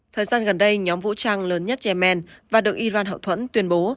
thời gian gần đây nhóm vũ trang lớn nhất yemen và được iran hậu thuẫn tuyên bố